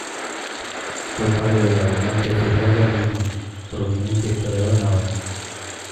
Fue padre del almirante Sir Herbert Richmond, prominente historiador naval.